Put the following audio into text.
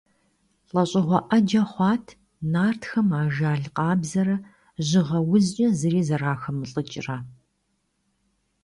ЛӀэщӀыгъуэ Ӏэджэ хъуат нартхэм ажал къабзэрэ жьыгъэ узкӀэ зыри зэрахэмылӀыкӀрэ.